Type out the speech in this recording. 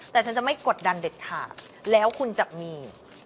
แต่ฉันจะไม่กดดันเด็ดขาดแล้วคุณจะมี